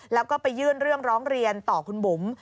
แล้วก็ไปยื่นเรื่องร้องเรียนต่อคุณบุ๋ม